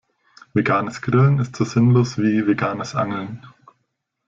Veganes Grillen ist so sinnlos wie veganes Angeln.